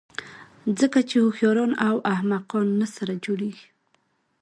ځکه چې هوښیاران او احمقان نه سره جوړېږي.